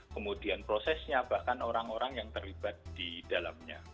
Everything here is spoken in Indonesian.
kemudian prosesnya bahkan orang orang yang terlibat di dalamnya